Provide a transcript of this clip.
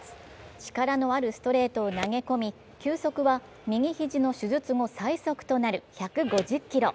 力のあるストレートを投げ込み球速は右肘の手術後最速となる１５０キロ。